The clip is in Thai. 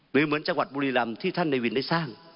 หรือเหมือนจังหวัดบุรีรำที่ท่านในวินได้สร้าง